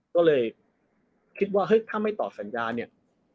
ก็เลยคิดว่าเฮ้ยถ้าไม่ตอบสัญญาเนี่ย